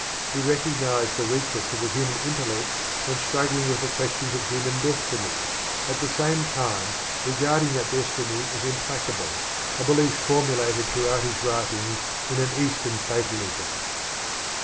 He recognized the weakness of the human intellect when struggling with the questions of human destiny, at the same time regarding that destiny as implacable, a belief form ulated throughout his writings in an Eastern fatalism.